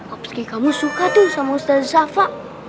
abis itu kamu suka tuh sama ustaz shafa